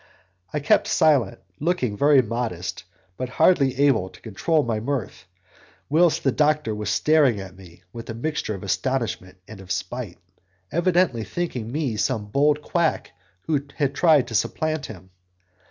I kept silent, looking very modest, but hardly able to control my mirth, whilst the doctor was staring at me with a mixture of astonishment and of spite, evidently thinking me some bold quack who had tried to supplant him.